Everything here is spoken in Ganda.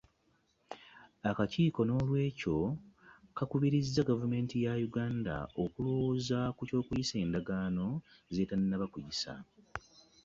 Akakiiko noolwekyo kakubiriza Gavumenti ya Uganda okulowooza ku ky’okuyisa endagaano z’etannaba kuyisa.